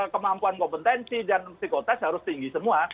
kemampuan kompetensi dan psikotest harus tinggi semua